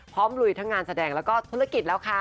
ลุยทั้งงานแสดงแล้วก็ธุรกิจแล้วค่ะ